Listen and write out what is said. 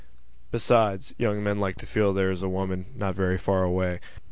Besides, young men like to feel that there is a young woman not very far away.